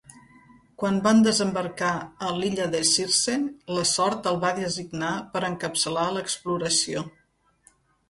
Quan van desembarcar a l'illa de Circe la sort el va designar per encapçalar l'exploració.